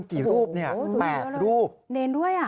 กี่รูปเนี่ย๘รูปโอ้โหดูดีกว่าเลยเนรด้วยอ่ะ